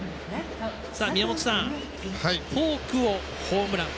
宮本さん、フォークをホームラン。